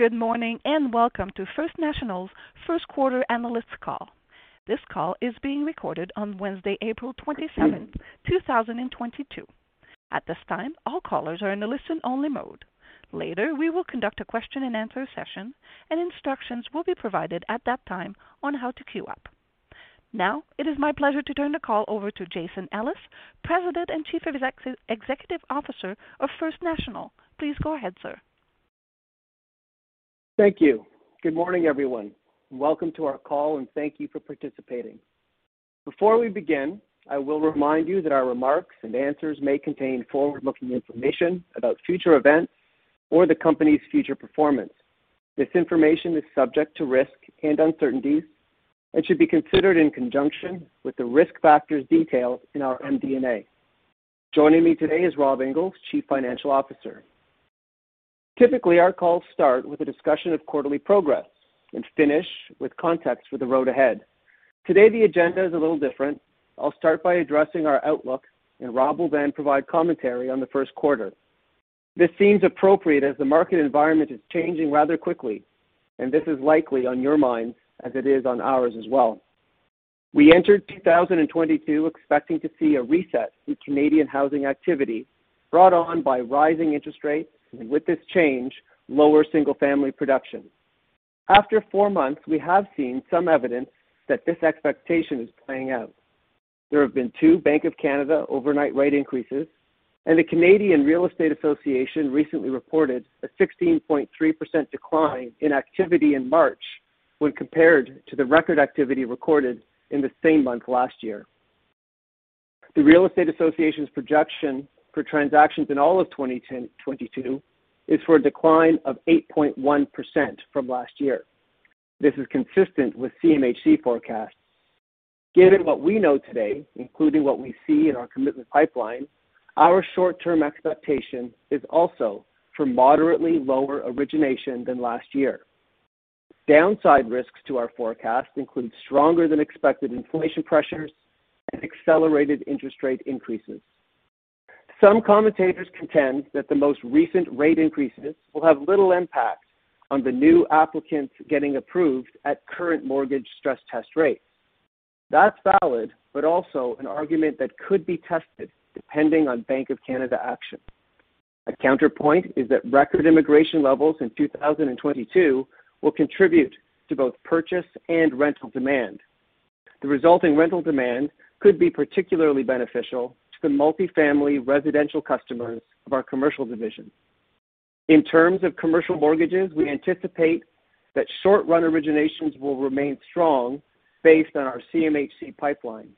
Good morning, and welcome to First National's First Quarter Analyst Call. This call is being recorded on Wednesday, April 27, 2022. At this time, all callers are in a listen-only mode. Later, we will conduct a question-and-answer session, and instructions will be provided at that time on how to queue up. Now, it is my pleasure to turn the call over to Jason Ellis, President and Chief Executive Officer of First National. Please go ahead, sir. Thank you. Good morning, everyone, and welcome to our call, and thank you for participating. Before we begin, I will remind you that our remarks and answers may contain forward-looking information about future events or the company's future performance. This information is subject to risk and uncertainties and should be considered in conjunction with the risk factors detailed in our MD&A. Joining me today is Rob Inglis, Chief Financial Officer. Typically, our calls start with a discussion of quarterly progress and finish with context for the road ahead. Today, the agenda is a little different. I'll start by addressing our outlook, and Rob will then provide commentary on the first quarter. This seems appropriate as the market environment is changing rather quickly, and this is likely on your mind as it is on ours as well. We entered 2022 expecting to see a reset in Canadian housing activity brought on by rising interest rates and, with this change, lower single-family production. After four months, we have seen some evidence that this expectation is playing out. There have been two Bank of Canada overnight rate increases, and the Canadian Real Estate Association recently reported a 16.3% decline in activity in March when compared to the record activity recorded in the same month last year. The Real Estate Association's projection for transactions in all of 2022 is for a decline of 8.1% from last year. This is consistent with CMHC forecasts. Given what we know today, including what we see in our commitment pipeline, our short-term expectation is also for moderately lower origination than last year. Downside risks to our forecast include stronger than expected inflation pressures and accelerated interest rate increases. Some commentators contend that the most recent rate increases will have little impact on the new applicants getting approved at current mortgage stress test rates. That's valid, but also an argument that could be tested depending on Bank of Canada action. A counterpoint is that record immigration levels in 2022 will contribute to both purchase and rental demand. The resulting rental demand could be particularly beneficial to the multifamily residential customers of our commercial division. In terms of commercial mortgages, we anticipate that short-run originations will remain strong based on our CMHC pipeline.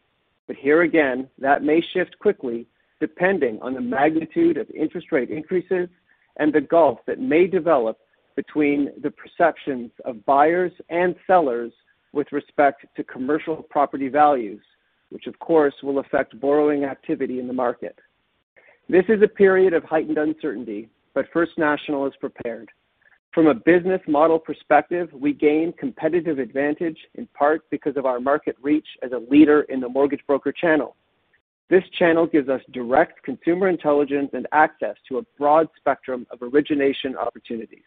Here again, that may shift quickly depending on the magnitude of interest rate increases and the gulf that may develop between the perceptions of buyers and sellers with respect to commercial property values, which of course will affect borrowing activity in the market. This is a period of heightened uncertainty, but First National is prepared. From a business model perspective, we gain competitive advantage in part because of our market reach as a leader in the mortgage broker channel. This channel gives us direct consumer intelligence and access to a broad spectrum of origination opportunities.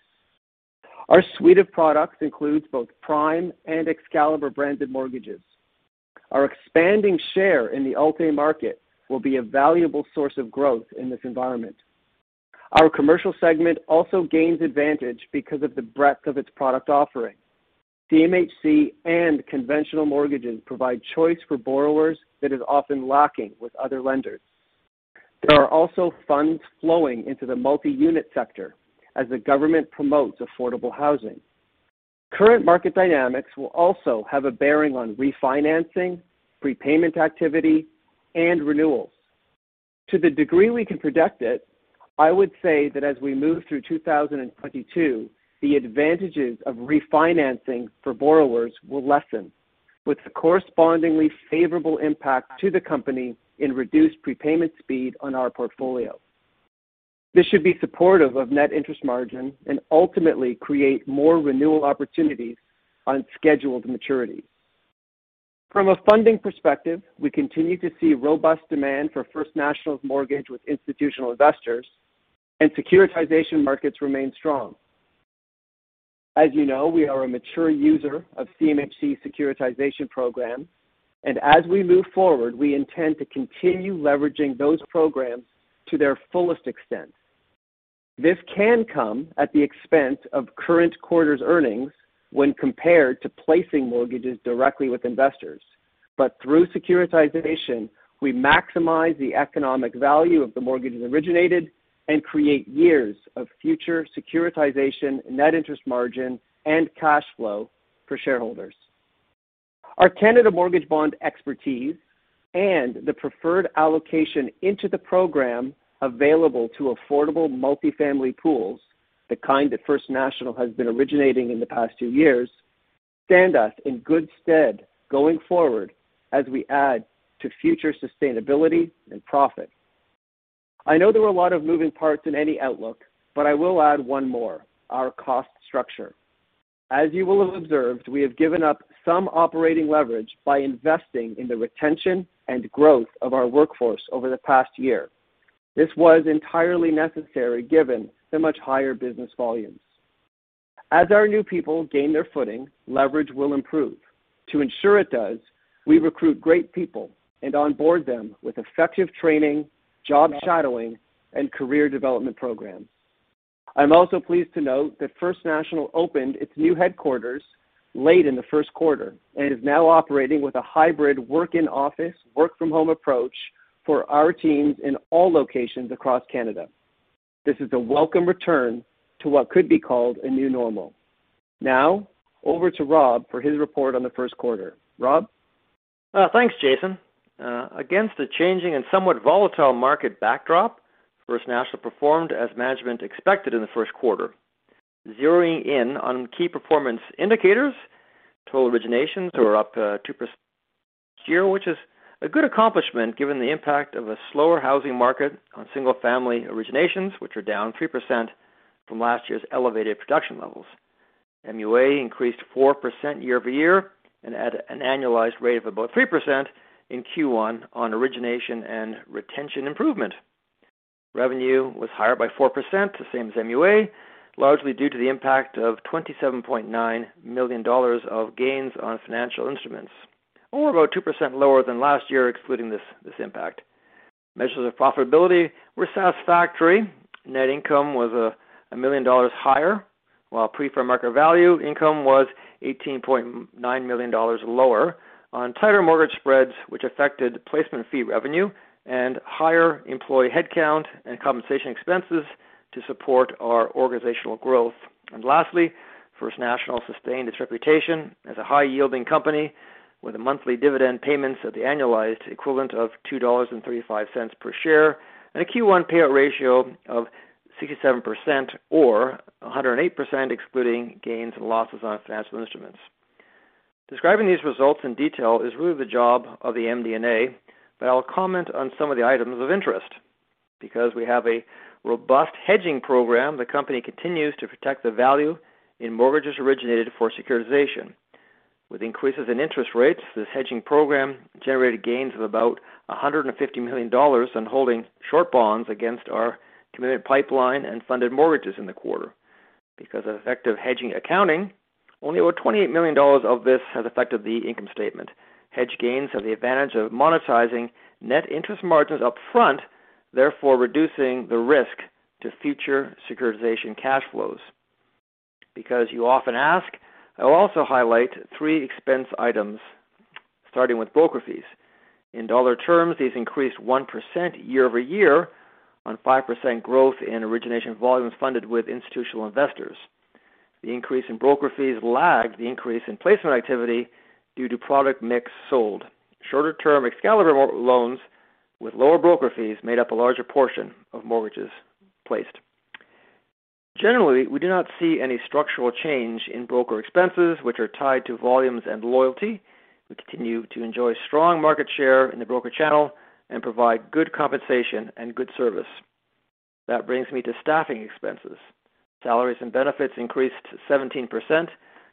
Our suite of products includes both Prime and Excalibur-branded mortgages. Our expanding share in the alt-A market will be a valuable source of growth in this environment. Our commercial segment also gains advantage because of the breadth of its product offering. CMHC and conventional mortgages provide choice for borrowers that is often lacking with other lenders. There are also funds flowing into the multi-unit sector as the government promotes affordable housing. Current market dynamics will also have a bearing on refinancing, prepayment activity, and renewals. To the degree we can predict it, I would say that as we move through 2022, the advantages of refinancing for borrowers will lessen, with a correspondingly favorable impact to the company in reduced prepayment speed on our portfolio. This should be supportive of net interest margin and ultimately create more renewal opportunities on scheduled maturities. From a funding perspective, we continue to see robust demand for First National's mortgage with institutional investors, and securitization markets remain strong. As you know, we are a mature user of CMHC's securitization program, and as we move forward, we intend to continue leveraging those programs to their fullest extent. This can come at the expense of current quarter's earnings when compared to placing mortgages directly with investors. Through securitization, we maximize the economic value of the mortgages originated and create years of future securitization, net interest margin, and cash flow for shareholders. Our Canada Mortgage Bond expertise and the preferred allocation into the program available to affordable multifamily pools, the kind that First National has been originating in the past two years, stand us in good stead going forward as we add to future sustainability and profit. I know there are a lot of moving parts in any outlook, but I will add one more: our cost structure. As you will have observed, we have given up some operating leverage by investing in the retention and growth of our workforce over the past year. This was entirely necessary given the much higher business volumes. As our new people gain their footing, leverage will improve. To ensure it does, we recruit great people and onboard them with effective training, job shadowing, and career development programs. I'm also pleased to note that First National opened its new headquarters late in the first quarter and is now operating with a hybrid work-in-office, work-from-home approach for our teams in all locations across Canada. This is a welcome return to what could be called a new normal. Now over to Rob for his report on the first quarter. Rob? Thanks, Jason. Against a changing and somewhat volatile market backdrop, First National performed as management expected in the first quarter. Zeroing in on key performance indicators, total originations were up 2% from last year, which is a good accomplishment given the impact of a slower housing market on single-family originations, which are down 3% from last year's elevated production levels. MUA increased 4% year-over-year and at an annualized rate of about 3% in Q1 on origination and retention improvement. Revenue was higher by 4%, the same as MUA, largely due to the impact of 27.9 million dollars of gains on financial instruments, or about 2% lower than last year excluding this impact. Measures of profitability were satisfactory. Net income was 1 million dollars higher, while Pre-Fair Market Value Income was 18.9 million dollars lower on tighter mortgage spreads, which affected placement fee revenue and higher employee headcount and compensation expenses to support our organizational growth. Lastly, First National sustained its reputation as a high-yielding company with monthly dividend payments at the annualized equivalent of 2.35 dollars per share and a Q1 payout ratio of 67% or 108% excluding gains and losses on financial instruments. Describing these results in detail is really the job of the MD&A, but I'll comment on some of the items of interest. Because we have a robust hedging program, the company continues to protect the value in mortgages originated for securitization. With increases in interest rates, this hedging program generated gains of about 150 million dollars on holding short bonds against our committed pipeline and funded mortgages in the quarter. Because of effective hedging accounting, only about 28 million dollars of this has affected the income statement. Hedge gains have the advantage of monetizing net interest margins up front, therefore reducing the risk to future securitization cash flows. Because you often ask, I'll also highlight three expense items, starting with broker fees. In dollar terms, these increased 1% year-over-year on 5% growth in origination volumes funded with institutional investors. The increase in broker fees lagged the increase in placement activity due to product mix sold. Shorter-term Excalibur loans with lower broker fees made up a larger portion of mortgages placed. Generally, we do not see any structural change in broker expenses, which are tied to volumes and loyalty. We continue to enjoy strong market share in the broker channel and provide good compensation and good service. That brings me to staffing expenses. Salaries and benefits increased 17%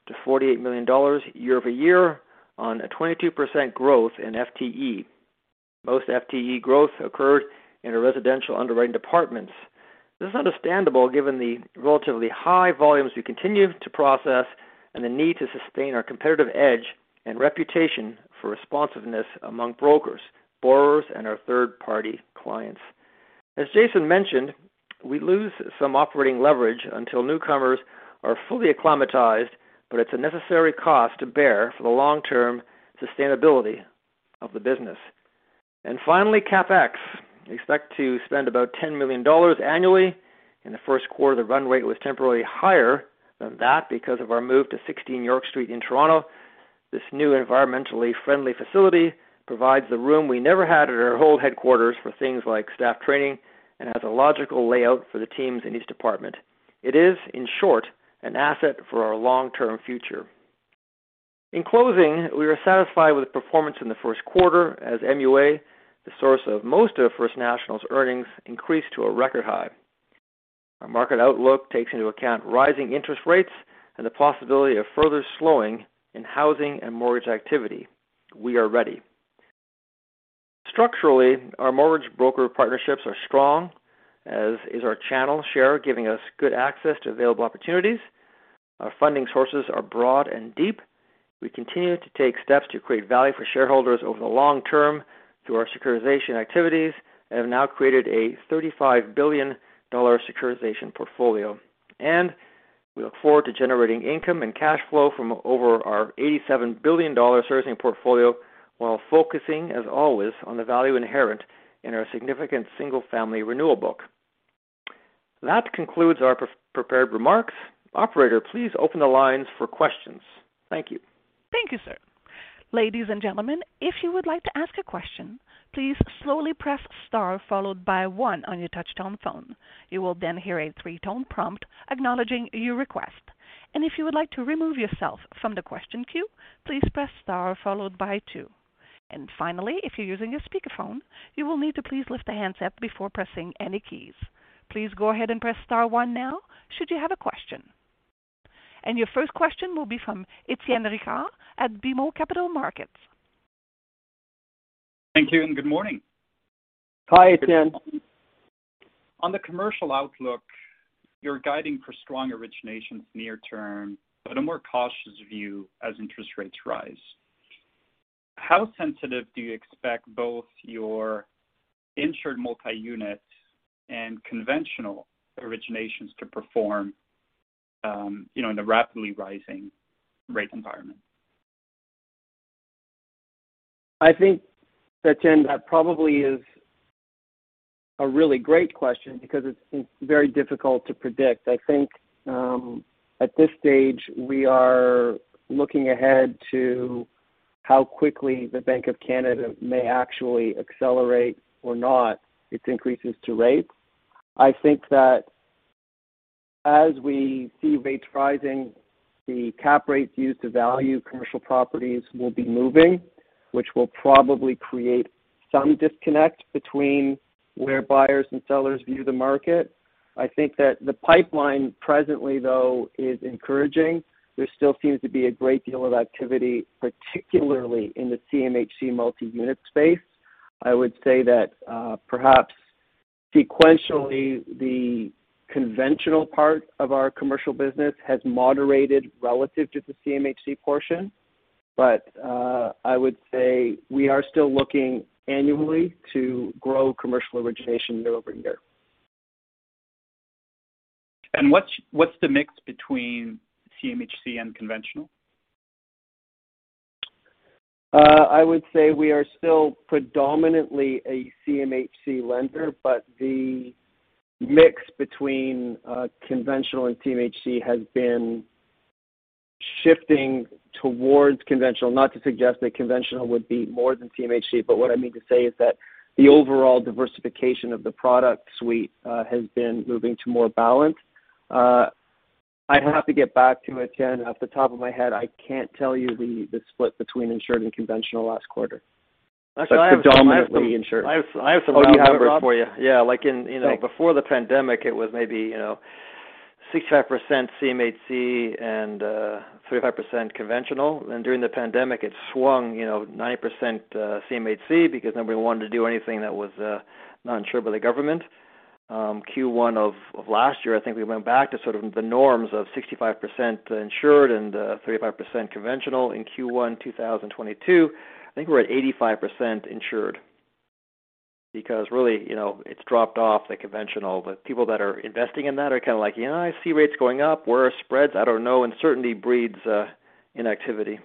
to 48 million dollars year-over-year on a 22% growth in FTE. Most FTE growth occurred in the residential underwriting departments. This is understandable given the relatively high volumes we continue to process and the need to sustain our competitive edge and reputation for responsiveness among brokers, borrowers, and our third-party clients. As Jason mentioned, we lose some operating leverage until newcomers are fully acclimatized, but it's a necessary cost to bear for the long-term sustainability of the business. Finally, CapEx. We expect to spend about 10 million dollars annually. In the first quarter, the run rate was temporarily higher than that because of our move to 16 York Street in Toronto. This new environmentally friendly facility provides the room we never had at our old headquarters for things like staff training and has a logical layout for the teams in each department. It is, in short, an asset for our long-term future. In closing, we are satisfied with performance in the first quarter as MUA, the source of most of First National's earnings, increased to a record high. Our market outlook takes into account rising interest rates and the possibility of further slowing in housing and mortgage activity. We are ready. Structurally, our mortgage broker partnerships are strong, as is our channel share, giving us good access to available opportunities. Our funding sources are broad and deep. We continue to take steps to create value for shareholders over the long term through our securitization activities and have now created a 35 billion dollar securitization portfolio. We look forward to generating income and cash flow from over our 87 billion dollar servicing portfolio while focusing, as always, on the value inherent in our significant single-family renewal book. That concludes our pre-prepared remarks. Operator, please open the lines for questions. Thank you. Thank you, sir. Ladies and gentlemen, if you would like to ask a question, please slowly press star followed by one on your touchtone phone. You will then hear a three-tone prompt acknowledging your request. If you would like to remove yourself from the question queue, please press star followed by two. Finally, if you're using a speakerphone, you will need to please lift the handset before pressing any keys. Please go ahead and press star one now, should you have a question. Your first question will be from Étienne Ricard at BMO Capital Markets. Thank you and good morning. Hi, Étienne. On the commercial outlook, you're guiding for strong originations near term, but a more cautious view as interest rates rise. How sensitive do you expect both your insured multi-unit and conventional originations to perform, you know, in the rapidly rising rate environment? I think that, Étienne, probably is a really great question because it's very difficult to predict. I think, at this stage, we are looking ahead to how quickly the Bank of Canada may actually accelerate or not its increases to rates. I think that as we see rates rising, the cap rates used to value commercial properties will be moving, which will probably create some disconnect between where buyers and sellers view the market. I think that the pipeline presently, though, is encouraging. There still seems to be a great deal of activity, particularly in the CMHC multi-unit space. I would say that, perhaps sequentially, the conventional part of our commercial business has moderated relative to the CMHC portion. I would say we are still looking annually to grow commercial origination year-over-year. What's the mix between CMHC and conventional? I would say we are still predominantly a CMHC lender, but the mix between conventional and CMHC has been shifting towards conventional. Not to suggest that conventional would be more than CMHC, but what I mean to say is that the overall diversification of the product suite has been moving to more balance. I'd have to get back to you, Étienne. Off the top of my head, I can't tell you the split between insured and conventional last quarter. Actually, I have. Predominantly insured. I have some numbers for you. Oh, do you have it, Rob? Yeah. Like in, you know. Thanks. Before the pandemic, it was maybe, you know, 65% CMHC and 35% conventional. During the pandemic, it swung, you know, 90% CMHC because nobody wanted to do anything that was not insured by the government. Q1 of last year, I think we went back to sort of the norms of 65% insured and 35% conventional. In Q1 2022, I think we're at 85% insured. Because really, you know, it's dropped off the conventional. The people that are investing in that are kind of like, "Yeah, I see rates going up. Where are spreads? I don't know." Uncertainty breeds inactivity.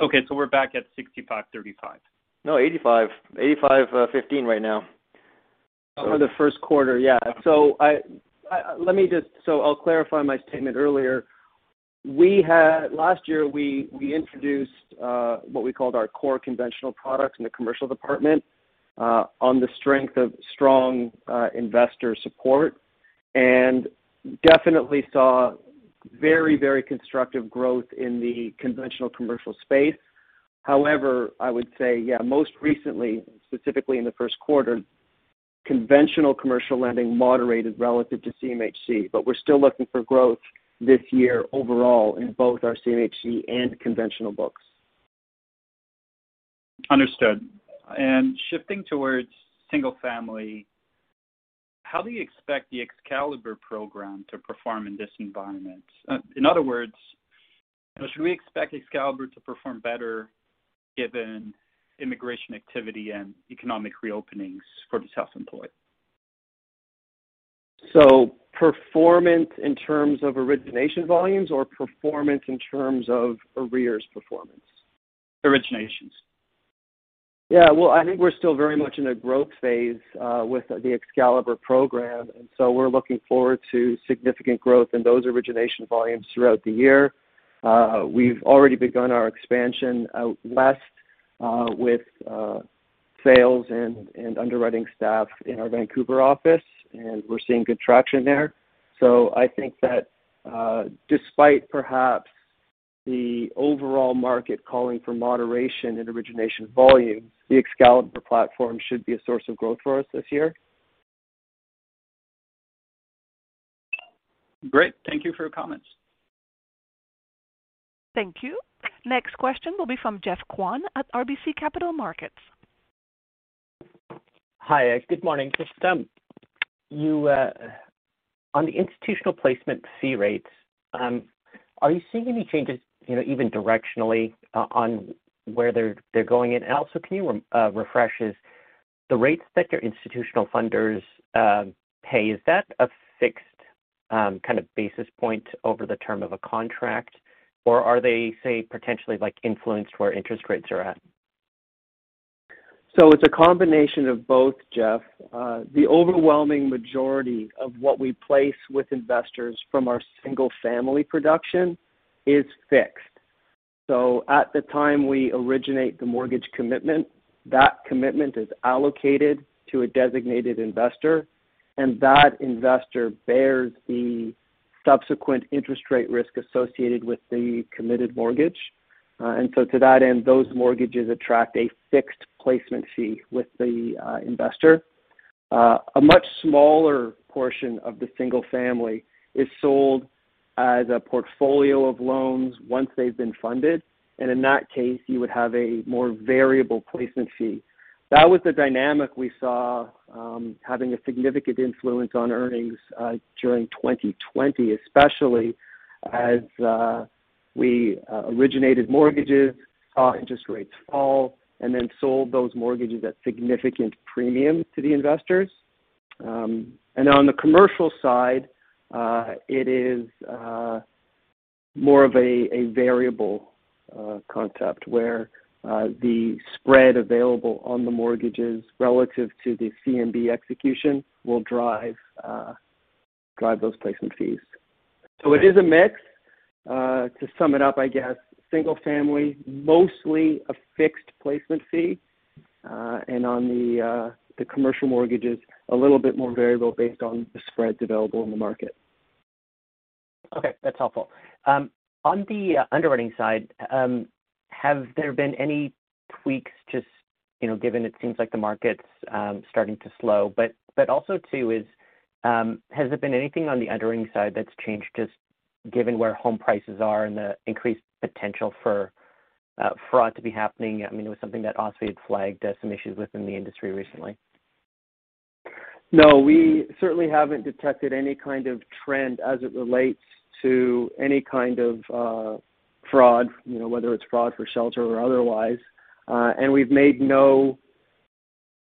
Okay, we're back at 65%, 35%. No, 85%. 85%, 15% right now. For the first quarter. I'll clarify my statement earlier. We had. Last year, we introduced what we called our core conventional products in the commercial department on the strength of strong investor support. Definitely saw very, very constructive growth in the conventional commercial space. However, I would say, most recently, specifically in the first quarter, conventional commercial lending moderated relative to CMHC. We're still looking for growth this year overall in both our CMHC and conventional books. Understood. Shifting towards single family, how do you expect the Excalibur program to perform in this environment? In other words, should we expect Excalibur to perform better given immigration activity and economic reopenings for the self-employed? performance in terms of origination volumes or performance in terms of arrears performance? Originations. Yeah. Well, I think we're still very much in a growth phase with the Excalibur program, and so we're looking forward to significant growth in those origination volumes throughout the year. We've already begun our expansion out west with sales and underwriting staff in our Vancouver office, and we're seeing good traction there. I think that despite perhaps the overall market calling for moderation in origination volumes, the Excalibur platform should be a source of growth for us this year. Great. Thank you for your comments. Thank you. Next question will be from Geoffrey Kwan at RBC Capital Markets. Hi. Good morning. Just on the institutional placement fee rates, are you seeing any changes, you know, even directionally on where they're going? Also can you refresh the rates that your institutional funders pay? Is that a fixed kind of basis point over the term of a contract, or are they, say, potentially, like, influenced where interest rates are at? It's a combination of both, Jeff Kwan. The overwhelming majority of what we place with investors from our single-family production is fixed. At the time we originate the mortgage commitment, that commitment is allocated to a designated investor, and that investor bears the subsequent interest rate risk associated with the committed mortgage. To that end, those mortgages attract a fixed placement fee with the investor. A much smaller portion of the single-family is sold as a portfolio of loans once they've been funded. In that case, you would have a more variable placement fee. That was the dynamic we saw, having a significant influence on earnings during 2020, especially as we originated mortgages, saw interest rates fall, and then sold those mortgages at significant premium to the investors. On the commercial side, it is more of a variable concept where the spread available on the mortgages relative to the CMB execution will drive those placement fees. It is a mix. To sum it up, I guess single family, mostly a fixed placement fee, and on the commercial mortgages a little bit more variable based on the spreads available in the market. Okay. That's helpful. On the underwriting side, have there been any tweaks just, you know, given it seems like the market's starting to slow, but also too has there been anything on the underwriting side that's changed just given where home prices are and the increased potential for fraud to be happening? I mean, it was something that OSFI had flagged some issues within the industry recently. No, we certainly haven't detected any kind of trend as it relates to any kind of fraud, you know, whether it's fraud for shelter or otherwise. We've made no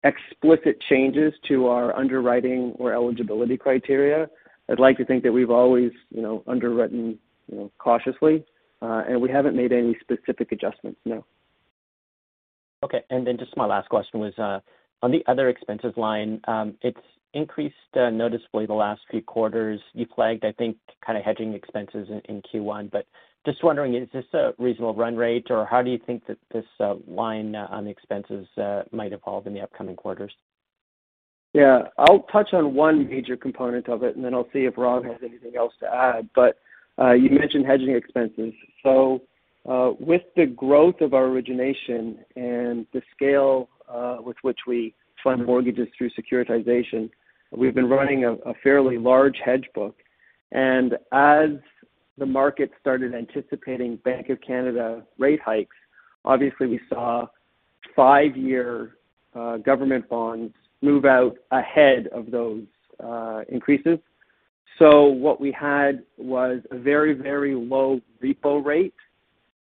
explicit changes to our underwriting or eligibility criteria. I'd like to think that we've always, you know, underwritten, you know, cautiously, and we haven't made any specific adjustments. No. Okay. Then just my last question was, on the other expenses line, it's increased noticeably the last few quarters. You flagged, I think, kind of hedging expenses in Q1, but just wondering, is this a reasonable run rate, or how do you think that this line on expenses might evolve in the upcoming quarters? Yeah. I'll touch on one major component of it, and then I'll see if Rob has anything else to add. You mentioned hedging expenses. With the growth of our origination and the scale with which we fund mortgages through securitization, we've been running a fairly large hedge book. As the market started anticipating Bank of Canada rate hikes, obviously we saw five-year government bonds move out ahead of those increases. What we had was a very, very low repo rate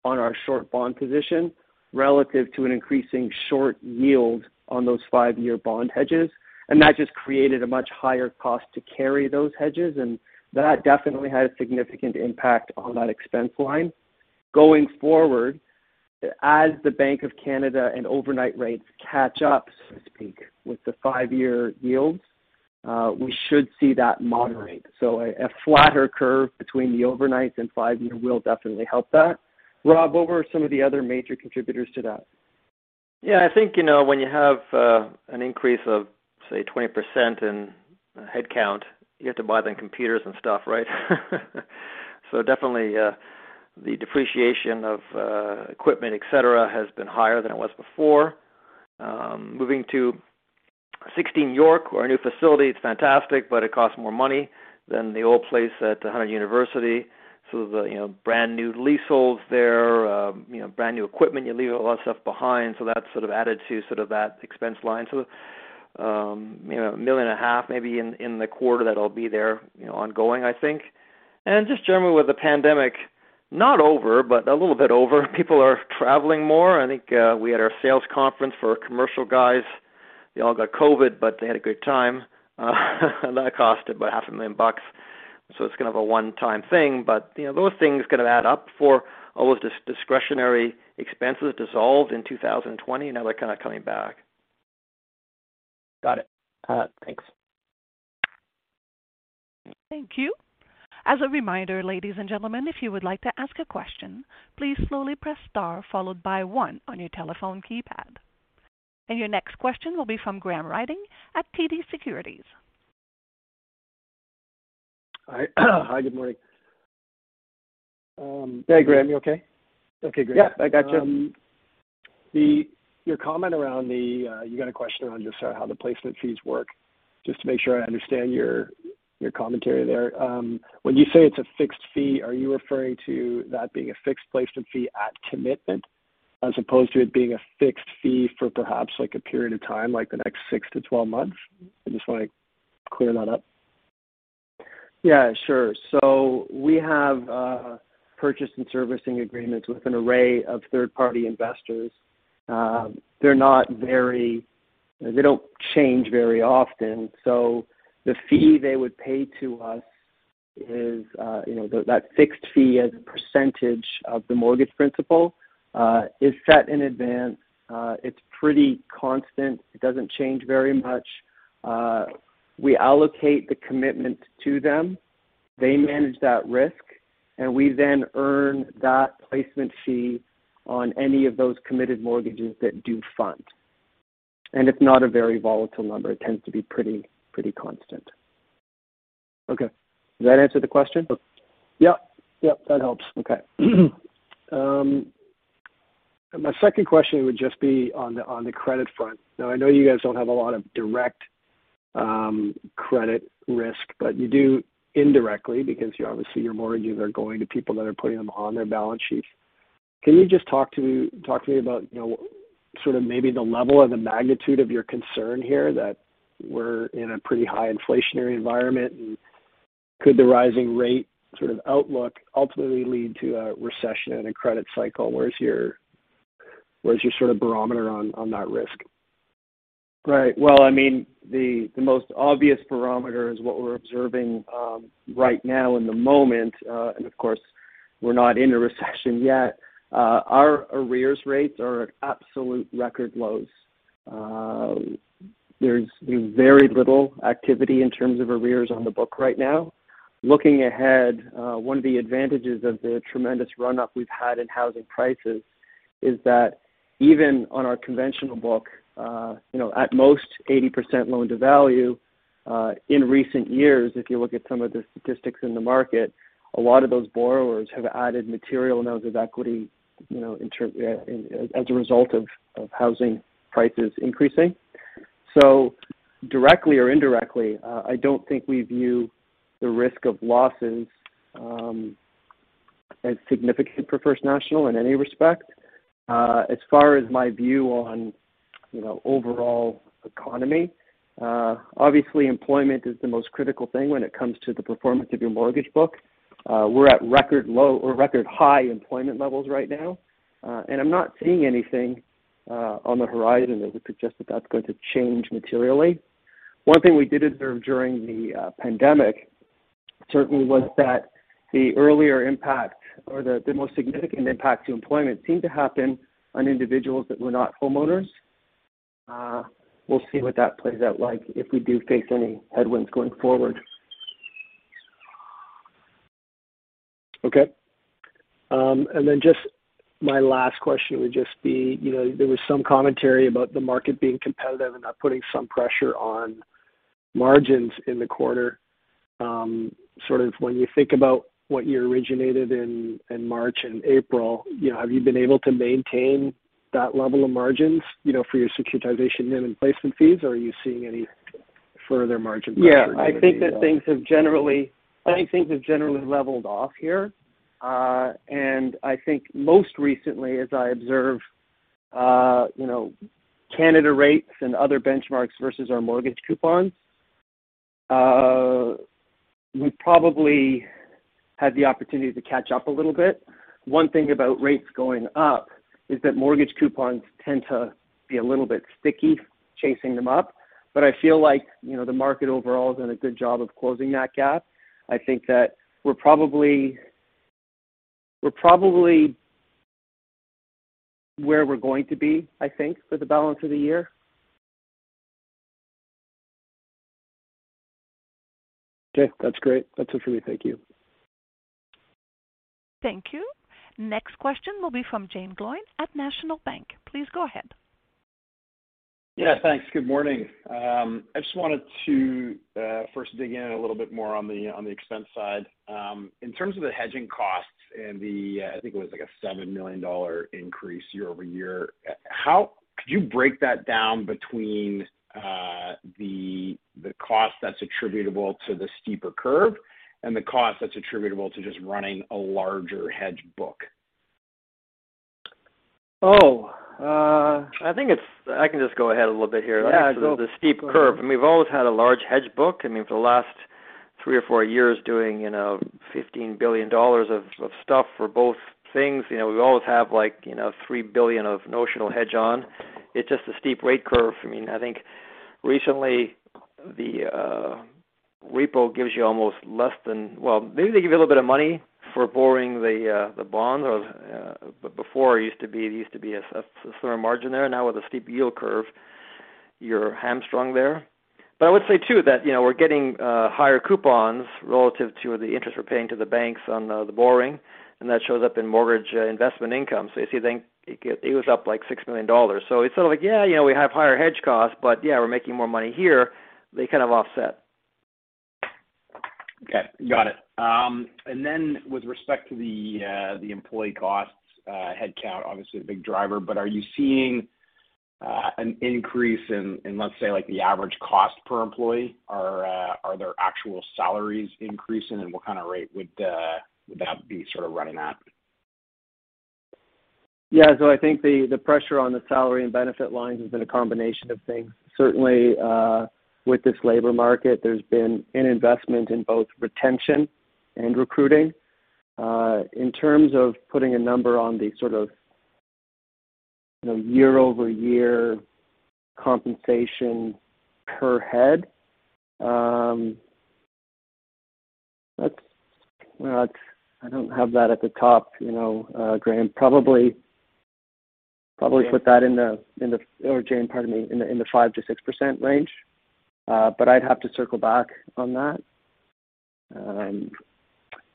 on our short bond position relative to an increasing short yield on those five-year bond hedges. That just created a much higher cost to carry those hedges, and that definitely had a significant impact on that expense line. Going forward, as the Bank of Canada and overnight rates catch up, so to speak, with the five-year yields, we should see that moderate. A flatter curve between the overnight and five-year will definitely help that. Rob, what were some of the other major contributors to that? Yeah, I think, you know, when you have an increase of, say, 20% in headcount, you have to buy the computers and stuff, right? So definitely, the depreciation of equipment, et cetera, has been higher than it was before. Moving to 16 York, our new facility, it's fantastic, but it costs more money than the old place at University Avenue. So the, you know, brand-new leaseholds there, you know, brand-new equipment. You leave a lot of stuff behind, so that's added to that expense line. So, you know, 1.5 million maybe in the quarter that'll be there, you know, ongoing, I think. Just generally with the pandemic, not over, but a little bit over, people are traveling more. I think, we had our sales conference for our commercial guys. They all got COVID, but they had a good time. That cost about half a million bucks. It's kind of a one-time thing. You know, those things kinda add up for all those discretionary expenses dissolved in 2020, now they're kind of coming back. Got it. Thanks. Thank you. As a reminder, ladies and gentlemen, if you would like to ask a question, please slowly press star followed by one on your telephone keypad. Your next question will be from Graham Ryding at TD Securities. Hi. Hi, good morning. Hey, Graham. You okay? Okay, great. Yeah, I got you. You got a question on just how the placement fees work. Just to make sure I understand your commentary there. When you say it's a fixed fee, are you referring to that being a fixed placement fee at commitment as opposed to it being a fixed fee for perhaps like a period of time, like the next six-12 months? I just wanna clear that up. Yeah, sure. We have purchase and servicing agreements with an array of third-party investors. They don't change very often. The fee they would pay to us is, you know, that fixed fee as a percentage of the mortgage principal, is set in advance. It's pretty constant. It doesn't change very much. We allocate the commitment to them. They manage that risk, and we then earn that placement fee on any of those committed mortgages that do fund. It's not a very volatile number. It tends to be pretty constant. Okay. Does that answer the question? Yeah. Yep, that helps. Okay. My second question would just be on the credit front. Now, I know you guys don't have a lot of direct credit risk, but you do indirectly because you obviously your mortgages are going to people that are putting them on their balance sheet. Can you just talk to me about, you know, sort of maybe the level or the magnitude of your concern here that we're in a pretty high inflationary environment, and could the rising rate sort of outlook ultimately lead to a recession and a credit cycle? Where is your sort of barometer on that risk? Right. Well, I mean, the most obvious barometer is what we're observing right now in the moment. Of course, we're not in a recession yet. Our arrears rates are at absolute record lows. There's very little activity in terms of arrears on the book right now. Looking ahead, one of the advantages of the tremendous run up we've had in housing prices is that even on our conventional book, you know, at most 80% loan to value, in recent years if you look at some of the statistics in the market, a lot of those borrowers have added material amounts of equity, you know, as a result of housing prices increasing. Directly or indirectly, I don't think we view the risk of losses as significant for First National in any respect. As far as my view on, you know, overall economy, obviously employment is the most critical thing when it comes to the performance of your mortgage book. We're at record low or record high employment levels right now. I'm not seeing anything on the horizon that would suggest that that's going to change materially. One thing we did observe during the pandemic certainly was that the earlier impact or the most significant impact to employment seemed to happen on individuals that were not homeowners. We'll see what that plays out like if we do face any headwinds going forward. Okay. Just my last question would just be, you know, there was some commentary about the market being competitive and putting some pressure on margins in the quarter. Sort of when you think about what you originated in March and April, you know, have you been able to maintain that level of margins, you know, for your securitization NIM and placement fees, or are you seeing any further margin pressure there as well? Yeah. I think things have generally leveled off here. I think most recently, as I observe, you know, Canada rates and other benchmarks versus our mortgage coupons, we probably had the opportunity to catch up a little bit. One thing about rates going up is that mortgage coupons tend to be a little bit sticky chasing them up. I feel like, you know, the market overall has done a good job of closing that gap. I think that we're probably where we're going to be, I think, for the balance of the year. Okay. That's great. That's it for me. Thank you. Thank you. Next question will be from Jaeme Gloyn at National Bank Financial. Please go ahead. Yeah. Thanks. Good morning. I just wanted to first dig in a little bit more on the expense side. In terms of the hedging costs and the, I think it was like a 7 million dollar increase year-over-year, how could you break that down between the cost that's attributable to the steeper curve and the cost that's attributable to just running a larger hedge book? Oh, uh- I can just go ahead a little bit here. Yeah. The steep curve. I mean, we've always had a large hedge book. I mean, for the last three or four years doing, you know, 15 billion dollars of stuff for both things. You know, we always have, like, you know, 3 billion of notional hedge on. It's just a steep rate curve. I mean, I think recently the repo gives you almost less than. Well, maybe they give you a little bit of money for borrowing the bond or before it used to be a certain margin there. Now with a steep yield curve, you're hamstrung there. I would say too that, you know, we're getting higher coupons relative to the interest we're paying to the banks on the borrowing, and that shows up in mortgage investment income. You see then it was up like 6 million dollars. It's sort of like, yeah, you know, we have higher hedge costs, but yeah, we're making more money here. They kind of offset. Okay. Got it. With respect to the employee costs, headcount, obviously a big driver, but are you seeing an increase in, let's say, like the average cost per employee? Are there actual salaries increasing, and what kind of rate would that be sort of running at? I think the pressure on the salary and benefit lines has been a combination of things. Certainly, with this labor market, there's been an investment in both retention and recruiting. In terms of putting a number on the sort of, you know, year-over-year compensation per head, I don't have that at the top. You know, Graham probably put that or Jaeme, pardon me, in the 5%-6% range. I'd have to circle back on that.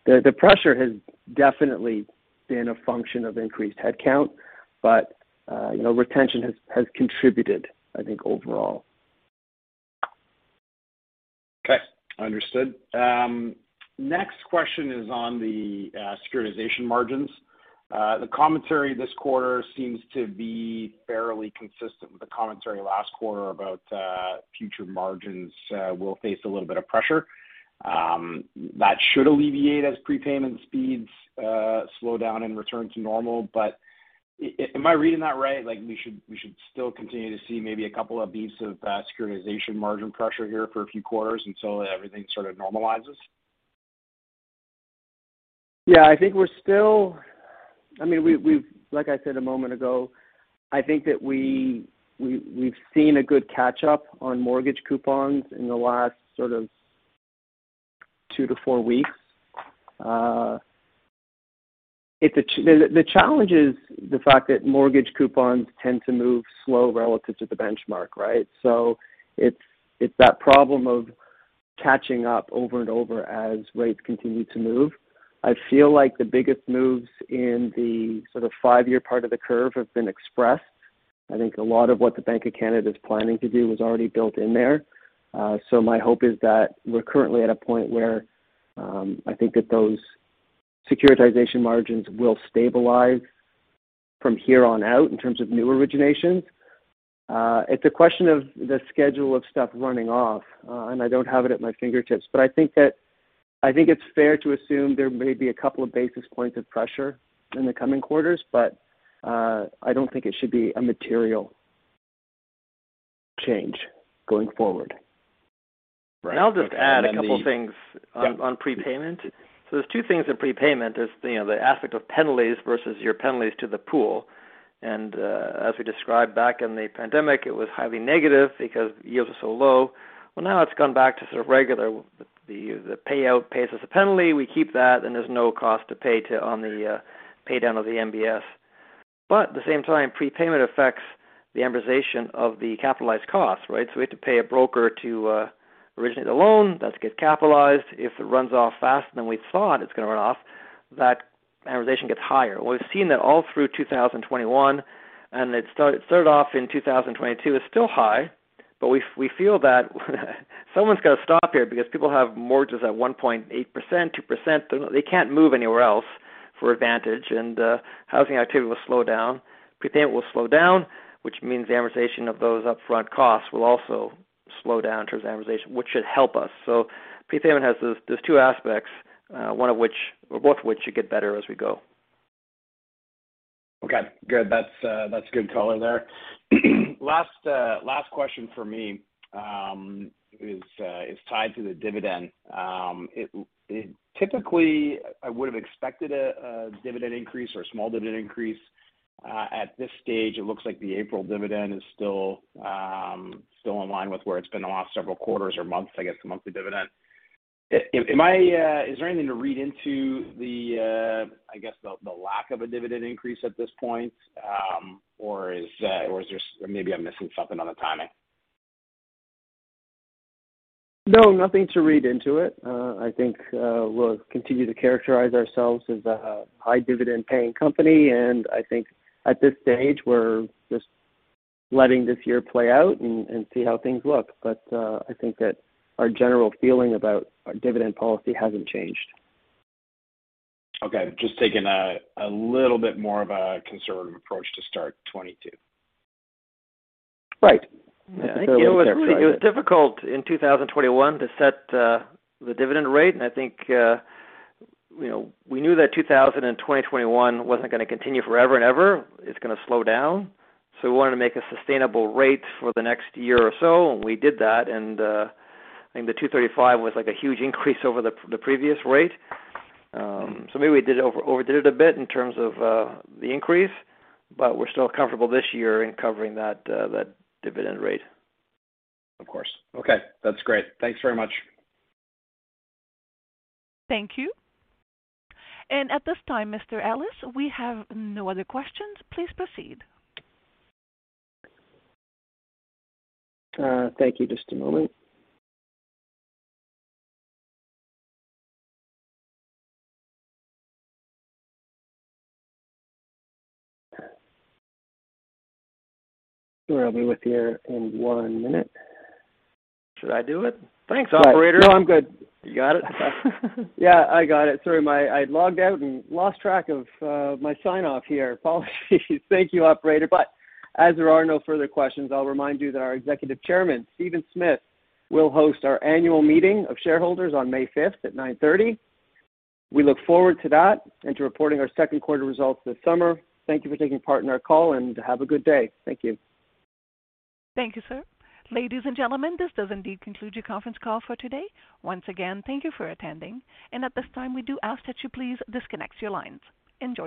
The pressure has definitely been a function of increased head count, but you know, retention has contributed, I think, overall. Okay. Understood. Next question is on the securitization margins. The commentary this quarter seems to be fairly consistent with the commentary last quarter about future margins will face a little bit of pressure. That should alleviate as prepayment speeds slow down and return to normal. Am I reading that right? Like, we should still continue to see maybe a couple of beats of securitization margin pressure here for a few quarters until everything sort of normalizes? I think we're still. I mean, like I said a moment ago, I think that we've seen a good catch-up on mortgage coupons in the last sort of two-four weeks. It's the challenge is the fact that mortgage coupons tend to move slow relative to the benchmark, right? It's that problem of catching up over and over as rates continue to move. I feel like the biggest moves in the sort of five-year part of the curve have been expressed. I think a lot of what the Bank of Canada is planning to do was already built in there. My hope is that we're currently at a point where I think that those securitization margins will stabilize from here on out in terms of new originations. It's a question of the schedule of stuff running off, and I don't have it at my fingertips. I think it's fair to assume there may be a couple of basis points of pressure in the coming quarters, but I don't think it should be a material change going forward. Right. I'll just add a couple things on prepayment. There's two things in prepayment. There's, you know, the aspect of penalties versus your penalties to the pool. As we described back in the pandemic, it was highly negative because yields are so low. Well, now it's gone back to sort of regular. The payout pays us a penalty, we keep that, and there's no cost to pay on the pay down of the MBS. But at the same time, prepayment affects the amortization of the capitalized costs, right? We have to pay a broker to originate a loan. That gets capitalized. If it runs off faster than we thought it's gonna run off, that amortization gets higher. We've seen that all through 2021, and it started off in 2022. It's still high, but we feel that someone's got to stop here because people have mortgages at 1.8%, 2%. They can't move anywhere else for advantage. Housing activity will slow down. Prepayment will slow down, which means the amortization of those upfront costs will also slow down towards amortization, which should help us. Prepayment has those two aspects, one of which or both of which should get better as we go. Okay, good. That's good color there. Last question for me is tied to the dividend. Typically I would have expected a dividend increase or a small dividend increase. At this stage it looks like the April dividend is still in line with where it's been the last several quarters or months, I guess, the monthly dividend. Is there anything to read into the, I guess the lack of a dividend increase at this point, or is there, or maybe I'm missing something on the timing? No, nothing to read into it. I think we'll continue to characterize ourselves as a high dividend paying company, and I think at this stage we're just letting this year play out and see how things look. I think that our general feeling about our dividend policy hasn't changed. Okay. Just taking a little bit more of a conservative approach to start 22. Right. It was difficult in 2021 to set the dividend rate, and I think, you know, we knew that 2021 wasn't gonna continue forever and ever. It's gonna slow down. We wanted to make a sustainable rate for the next year or so, and we did that. I think the 2.35 was like a huge increase over the previous rate. Maybe we overdid it a bit in terms of the increase, but we're still comfortable this year in covering that dividend rate. Of course. Okay. That's great. Thanks very much. Thank you. At this time, Mr. Ellis, we have no other questions. Please proceed. Thank you. Just a moment. Sure, I'll be with you in one minute. Should I do it? Thanks, operator. No, I'm good. You got it? Yeah, I got it. Sorry, I logged out and lost track of my sign-off here. Apologies. Thank you, operator. As there are no further questions, I'll remind you that our executive chairman, Stephen Smith, will host our annual meeting of shareholders on May 5th at 9:30 A.M. We look forward to that and to reporting our second quarter results this summer. Thank you for taking part in our call, and have a good day. Thank you. Thank you, sir. Ladies and gentlemen, this does indeed conclude your conference call for today. Once again, thank you for attending. At this time, we do ask that you please disconnect your lines. Enjoy your day.